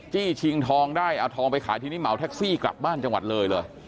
ชิงทองได้เอาทองไปขายทีนี้เหมาแท็กซี่กลับบ้านจังหวัดเลยเลย